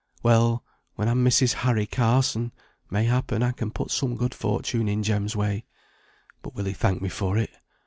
Well, when I'm Mrs. Harry Carson, may happen I can put some good fortune in Jem's way. But will he thank me for it?